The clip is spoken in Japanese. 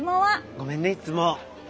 ごめんねいっつも。